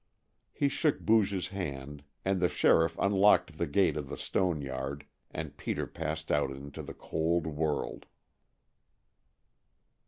He shook Booge's hand and the sheriff unlocked the gate of the stone yard, and Peter passed out into the cold world.